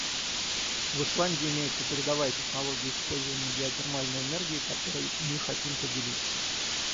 В Исландии имеется передовая технология использования геотермальной энергии, которой мы хотим поделиться.